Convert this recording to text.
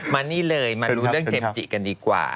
มานี่เลยมารู้เรื่องเจมส์จิกันดีกว่า